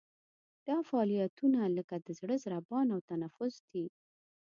دا فعالیتونه لکه د زړه ضربان او تنفس دي.